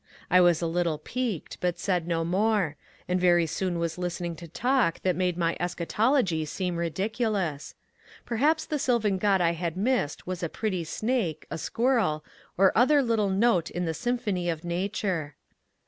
I was a little piqued, but said no more, and very soon was listening to talk that made my Eschatology seem ridiculous. Perhaps the sylvan god I had missed was a pretty snake, a squirrel, or other little note in the symphony of nature.